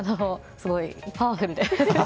すごいパワフルで。